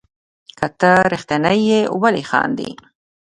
که ته ريښتيني يي ولي خاندي